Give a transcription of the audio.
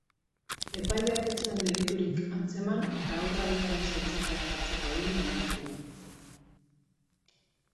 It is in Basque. Epaileak ez zuen deliturik antzeman eta haurra aitaren zaintzapean jartzeko agindua eman zuen.